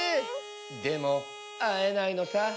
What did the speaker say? でもあえないのさ。